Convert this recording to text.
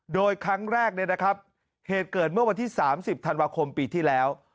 โดยครั้งแรกเนี่ยนะครับเหตุเกิดเมื่อวันที่๓๐ธันวาคมปีที่แล้ว